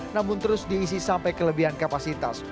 namun terus diisi sampai kelebihan kapasitas